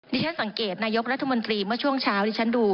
ฉันสังเกตนายกรัฐมนตรีเมื่อช่วงเช้าที่ฉันดู